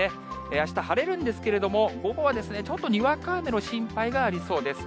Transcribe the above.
あした晴れるんですけれども、午後はちょっとにわか雨の心配がありそうです。